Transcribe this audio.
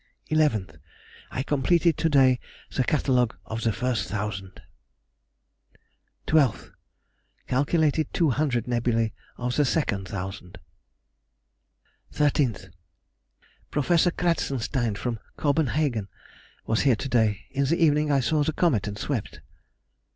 11th. I completed to day the catalogue of the first thousand. 12th. ... calculated 200 nebulæ of the second thousand. 13th. Professor Kratzensteine, from Copenhagen, was here to day. In the evening I saw the comet and swept.